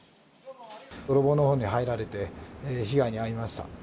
泥棒のほうに入られて被害に遭いました。